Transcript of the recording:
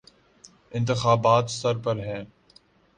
انتخابات سر پہ ہیں۔